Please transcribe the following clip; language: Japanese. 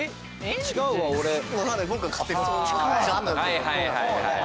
はいはいはい。